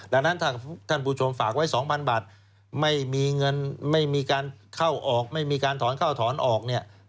ดังนั้นถ้าท่านผู้ชมฝากไว้๒๐๐บาทไม่มีเงินไม่มีการเข้าออกไม่มีการถอนเข้าถอนออกเนี่ย